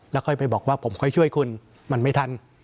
แล้วค่อยไปบอกว่าผมค่อยช่วยคุณมันไม่ทัน